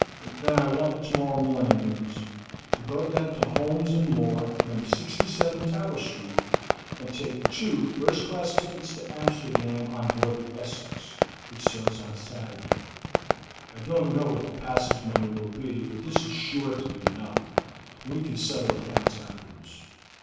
"Then I want you tomorrow morning, Gibbons, to go down to Holmes & Moore, No. 67 Tower Street, and take two first class tickets to Amsterdam on board the Essex, which sails on Saturday. I don't know what the passage money will be, but this is sure to be enough; and we can settle accounts afterwards.